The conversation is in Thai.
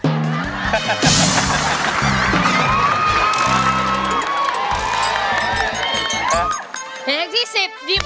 นะคะเพลงที่๑๐หยิบเลยค่ะ